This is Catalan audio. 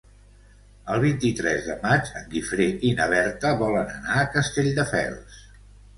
El vint-i-tres de maig en Guifré i na Berta volen anar a Castelldefels.